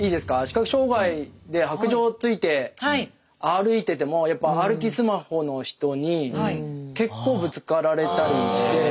視覚障害で白杖をついて歩いててもやっぱ歩きスマホの人に結構ぶつかられたりして。